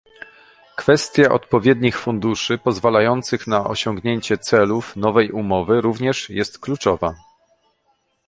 Kwestia odpowiednich funduszy pozwalających na osiągnięcie celów nowej umowy również jest kluczowa